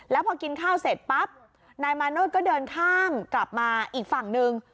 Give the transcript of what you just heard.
แล้วพอกินข้าวเสร็จปั๊บนายมาโนธก็เดินข้ามกลับมาอีกฝั่งหนึ่ง